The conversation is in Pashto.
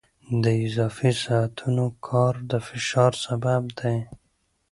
د اضافي ساعتونو کار د فشار سبب دی.